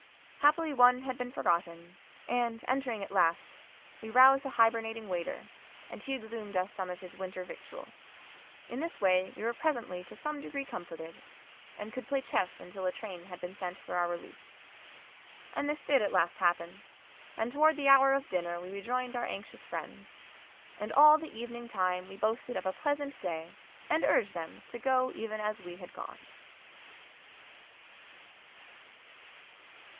Happily one had been forgotten, and, entering at last, we roused a hibernating waiter, and he exhumed us some of his winter victual. In this way we were presently to some degree comforted, and could play chess until a train had been sent for our relief. And this did at last happen, and towards the hour of dinner we rejoined our anxious friends, and all the evening time we boasted of a pleasant day and urged them to go even as we had gone.